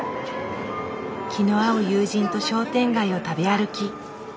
気の合う友人と商店街を食べ歩き。